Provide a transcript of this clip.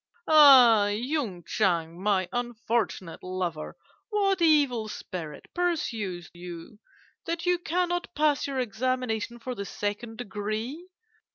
Ah, Yung Chang, my unfortunate lover! what evil spirit pursues you that you cannot pass your examination for the second degree?